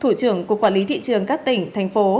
thủ trưởng cục quản lý thị trường các tỉnh thành phố